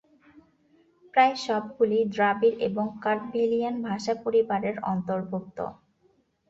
প্রায় সবগুলিই দ্রাবিড় এবং কার্তভেলিয়ান ভাষা পরিবারের অন্তর্ভুক্ত।